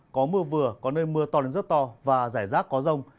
có mưa vừa có nơi mưa to đến rất to và rải rác có rông